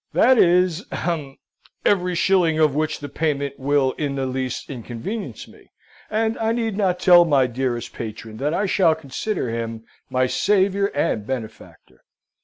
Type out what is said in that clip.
that is ahem! every shilling of which the payment will in the least inconvenience me and I need not tell my dearest patron that I shall consider him my saviour and benefactor!"